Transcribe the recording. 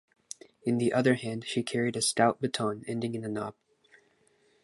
In the other hand she carried a stout baton ending in a knob.